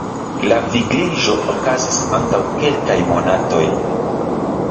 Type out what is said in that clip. La vigliĝo okazis antaŭ kelkaj monatoj.